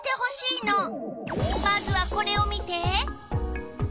まずはこれを見て！